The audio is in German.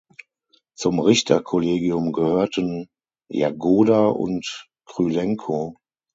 Zum Richterkollegium gehörten Jagoda und Krylenko.